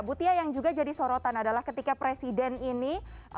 butia yang juga jadi sorotan adalah ketika presiden ini